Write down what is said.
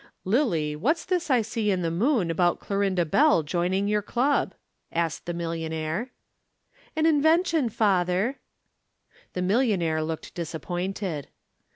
"Lillie, what's this I see in the Moon about Clorinda Bell joining your Club?" asked the millionaire. "An invention, father." The millionaire looked disappointed.